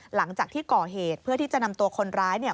หลังจากที่ก่อเหตุเพื่อที่จะนำตัวคนร้ายเนี่ย